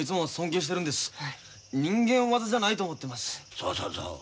そうそうそう。